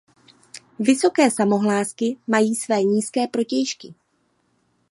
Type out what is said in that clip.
Vysoké samohlásky mají své nízké protějšky.